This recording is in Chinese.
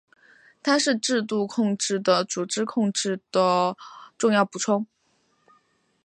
它是制度控制和组织控制的重要补充。